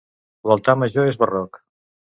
L'altar major és barroc.